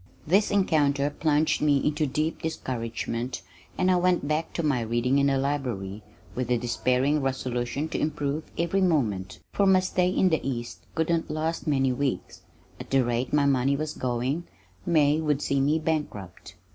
This encounter plunged me into deep discouragement and I went back to my reading in the library with a despairing resolution to improve every moment, for my stay in the east could not last many weeks. At the rate my money was going May would see me bankrupt.